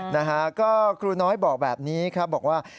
นะฮะก็ครูน้อยบอกแบบนี้ครับบอกว่า